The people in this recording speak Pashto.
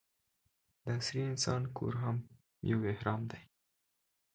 د عصري انسان کور هم یو اهرام دی.